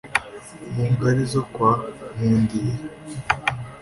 Mu ngari zo kwa Nkundiye